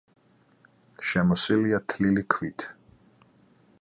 შემოსილია თლილი ქვით.